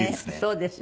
そうです。